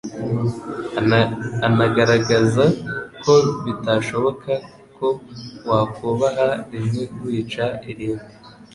anagaragaza ko bitashoboka ko wakubaha rimwe wica irindi;